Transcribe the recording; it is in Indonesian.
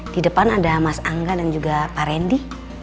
di depan ada mas angga dan juga pak randy